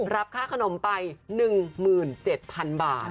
รับค่าขนมไป๑๗๐๐๐บาท